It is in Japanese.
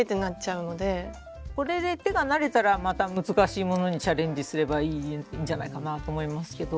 これで手が慣れたらまた難しいものにチャレンジすればいいんじゃないかなと思いますけど。